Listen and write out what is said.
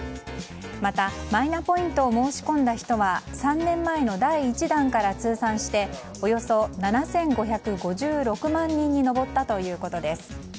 また、マイナポイントを申し込んだ人は３年前の第１弾から通算しておよそ７５５６万人に上ったということです。